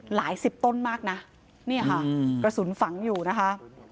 สิบต้นมากนะนี่ค่ะกระสุนฝังอยู่นะคะ